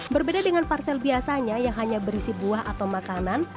berbeda dengan parsel biasanya yang hanya berisi buah atau makanan